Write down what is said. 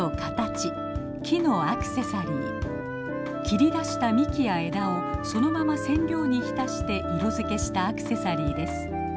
切り出した幹や枝をそのまま染料に浸して色づけしたアクセサリーです。